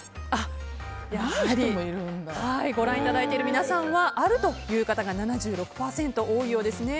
ご覧いただいている皆さんはあるという方が７６％と多いようですね。